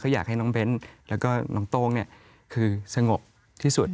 อยากให้น้องเบ้นแล้วก็น้องโต้งคือสงบที่สุด